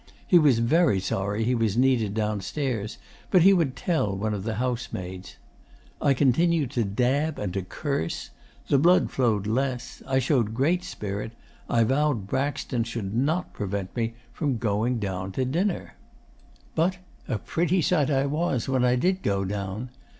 He was very sorry he was needed downstairs, but he would tell one of the housemaids. I continued to dab and to curse. The blood flowed less. I showed great spirit. I vowed Braxton should not prevent me from going down to dinner. 'But a pretty sight I was when I did go down.